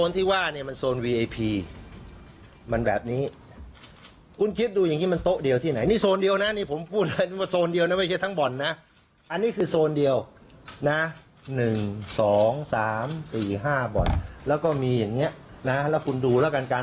พี่พี่เองน่ะเคยเข้าไปข้างในมันเป็นบ่อนมันก็เล่นเนี่ยเล่นไอ้เนี่ยให้๓บายเล่น